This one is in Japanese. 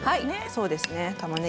そうですね。